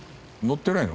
乗ってない？